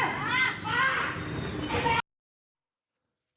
มา